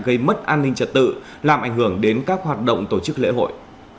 gây mất an ninh trật tự làm ảnh hưởng đến các hoạt động tổ chức lễ hội